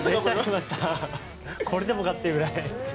これでもかっていうぐらい。